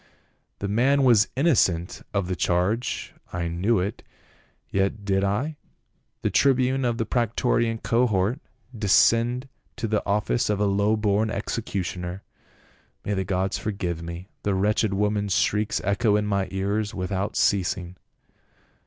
The man was innocent of the charge — I knew it, yet did I, the tribune of the prae torian cohort, descend to the office of a low born executioner. May the gods forgive me, the wretched woman's shrieks echo in my ears without ceasing."